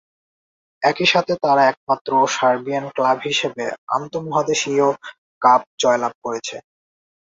একই সাথে তারা একমাত্র সার্বিয়ান ক্লাব হিসেবে আন্তর্মহাদেশীয় কাপ জয়লাভ করেছে।